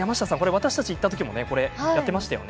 私たち行った時もやっていましたね。